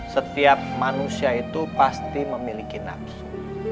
setiap manusia itu pasti memiliki nafsu